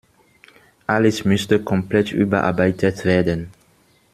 Alles müsste komplett überarbeitet werden.